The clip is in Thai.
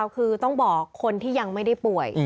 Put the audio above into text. คือต้องบอกคนที่ยังไม่ได้ป่วย